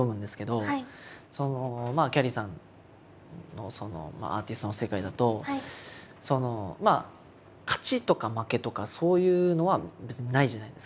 どきゃりーさんのアーティストの世界だと勝ちとか負けとかそういうのは別にないじゃないですか。